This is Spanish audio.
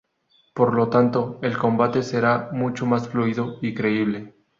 Por lo tanto, el combate será mucho más fluido y creíble.